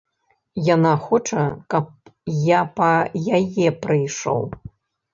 Яна хоча, каб я па яе прыйшоў.